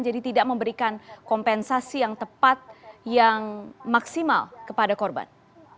jadi tidak memberikan kompensasi yang tepat yang maksimal kepada korban